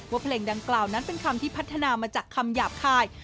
เพลงดังกล่าวนั้นเป็นคำที่พัฒนามาจากคำหยาบคาย